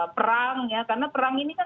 perang ya karena perang ini kan